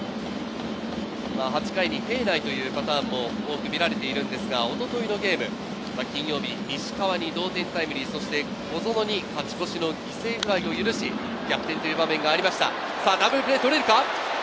８回に平内というパターンも多く見られているんですが、一昨日のゲーム、金曜日、西川に同点タイムリー、そして小園に勝ち越しの犠牲フライを許し、逆転という場面がありました。